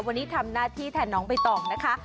วันนี้ทำหน้าที่แทนน้องใบตองนะคะ